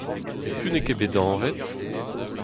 Piv n'eo ket bet anvet ?